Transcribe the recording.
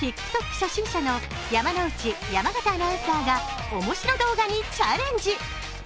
初心者の山内・山形アナウンサーが面白動画にチャレンジ。